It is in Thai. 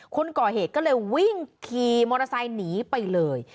คนก่อเหตุก็เลยวิ่งขี่มอเตอร์ไซค์หนีไปเลย